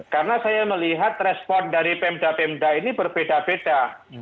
karena saya melihat respon dari pemda pemda ini berbeda beda